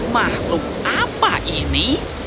makhluk apa ini